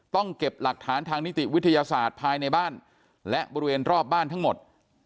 เก็บหลักฐานทางนิติวิทยาศาสตร์ภายในบ้านและบริเวณรอบบ้านทั้งหมด